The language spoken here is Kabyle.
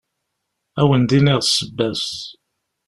Ad wen-d-iniɣ ssebba-s.